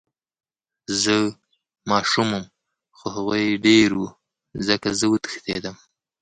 زه ماشوم وم خو هغوي ډير وو ځکه زه وتښتېدم.